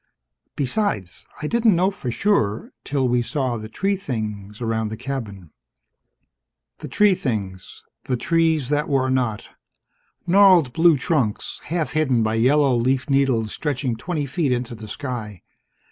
Besides, I didn't know for sure, till we saw the tree things around the cabin." The tree things. The trees that were not. Gnarled blue trunks, half hidden by yellow leaf needles stretching twenty feet into the sky.